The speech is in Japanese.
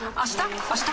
あした？